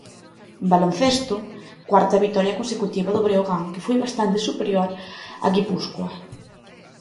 En baloncesto, cuarta vitoria consecutiva do Breogán que foi bastante superior a Guipúscoa.